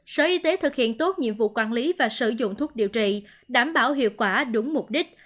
sở y tế thực hiện tốt nhiệm vụ quản lý và sử dụng thuốc điều trị đảm bảo hiệu quả đúng mục đích